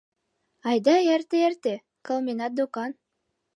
Айда, эрте-эрте, кылменат докан.